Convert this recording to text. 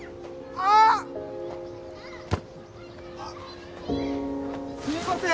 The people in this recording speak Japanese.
あっすいません！